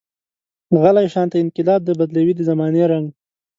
غلی شانته انقلاب دی، بدلوي د زمانې رنګ.